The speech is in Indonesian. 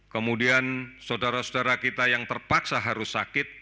kemudian saudara saudara kita yang terpaksa harus sakit